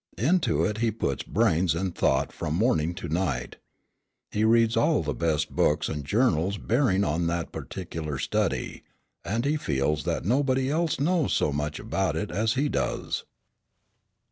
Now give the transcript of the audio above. Into it he puts brains and thought from morning to night. He reads all the best books and journals bearing on that particular study, and he feels that nobody else knows so much about it as he does.